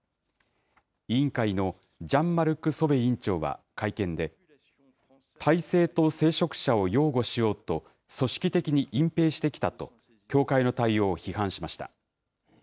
委員会のジャンマルク・ソベ委員長は会見で、体制と聖職者を擁護しようと組織的に隠蔽してきたと、教会の対応を批判しました。